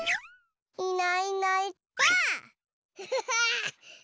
いないいないばあっ！